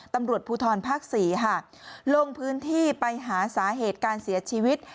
ตำรวจภูทรภาค๔ค่ะลงพื้นที่ไปหาสาเหตุการเสียชีวิต